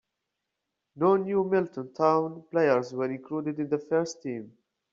No New Milton Town players were included in the first team.